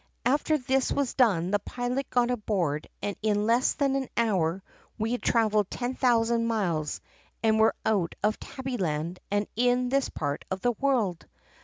After this was done the pilot got aboard and in less than an hour we had traveled 10,000 miles and were out of Tabbyland and in this part of the world.